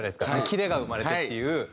キレが生まれてっていう。